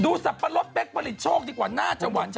สับปะรดเป๊กผลิตโชคดีกว่าน่าจะหวานจะ